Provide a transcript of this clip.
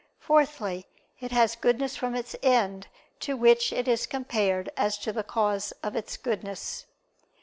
Fourthly, it has goodness from its end, to which it is compared as to the cause of its goodness.